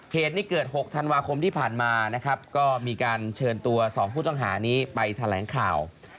เหตุนี้เกิด๖ธันวาคมที่ผ่านมานะครับก็มีการเชิญตัว๒ผู้ต้องหานี้ไปแถลงข่าว